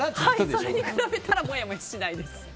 それに比べたらもやもやしないです。